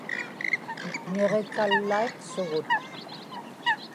niġikallaiqsugut